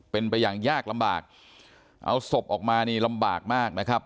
เป็นไปอย่างยากลำบากเอาศพออกมานี่ลำบากมากนะครับ